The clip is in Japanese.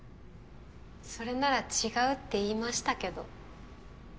それなら違うって言いましたけど。